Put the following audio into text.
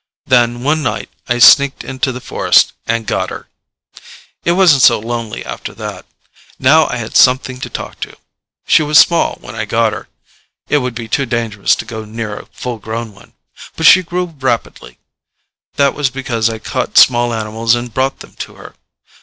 Then, one night, I sneaked into the forest and got her. It wasn't so lonely after that. Now I had something to talk to. She was small when I got her it would be too dangerous to go near a full grown one but she grew rapidly. That was because I caught small animals and brought them to her.